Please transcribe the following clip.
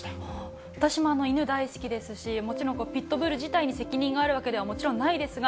私も犬大好きですし、もちろんピットブル自体に責任があるわけではもちろんないですが、